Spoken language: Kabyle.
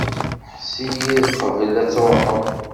Hess-iyi-d qbel ad truḥeḍ.